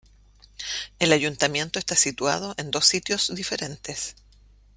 El ayuntamiento está situado en dos sitios diferentes.